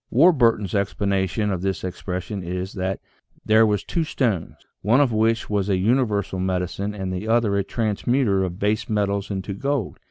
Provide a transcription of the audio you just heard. Warburton's explanation of this expression is, that "there was two stones, one of which was a universal medicine and the other a transmuter of base metals into gold."